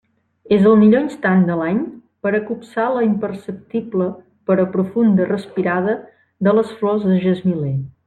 És el millor instant de l'any per a copsar la imperceptible però profunda respirada de les flors de gesmiler.